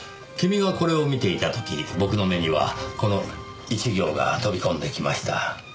君がこれを見ていた時僕の目にはこの１行が飛び込んできました。